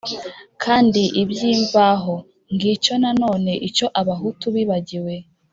kandi iby’imvaho. ngicyo nanone icyo abahutu bibagiwe